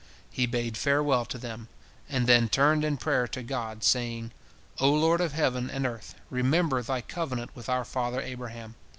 He bade farewell to them, and then turned in prayer to God, saying: "O Lord of heaven and earth! Remember Thy covenant with our father Abraham.